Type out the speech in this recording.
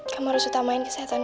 kamu harus utamain kesehatan